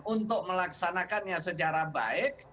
untuk melaksanakannya secara baik